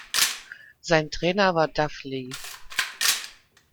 Sein Trainer war Doug Leigh.